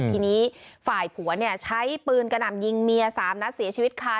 ทีนี้ฝ่ายผัวเนี่ยใช้ปืนกระหน่ำยิงเมีย๓นัดเสียชีวิตค่ะ